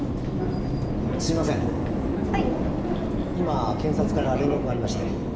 今検察から連絡がありまして。